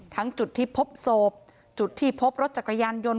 จุดที่พบศพจุดที่พบรถจักรยานยนต์